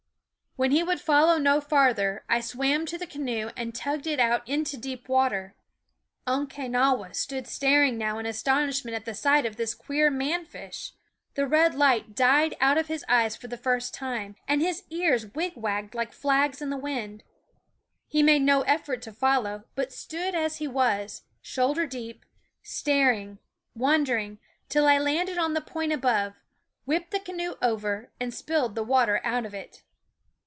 When he would follow no farther I swam to the canoe and tugged it out into deep THE WOODS water. Umquenawis stood staring now in astonishment at the sight of this queer man fish. The red light died out of his eyes for the first time, and his ears wigwagged like flags in the wind. He made no effort to follow, but stood as he was, shoulder deep, staring, wondering, till I landed on the point above, whipped the canoe over, and spilled the water out of it.